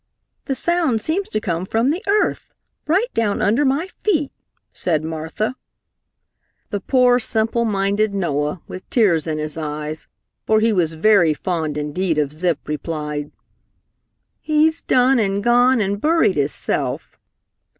"The sound seems to come from the earth, right down under my feet," said Martha. The poor, simple minded Noah with tears in his eyes, for he was very fond indeed of Zip, replied, "He's done and gone and buried hisself!"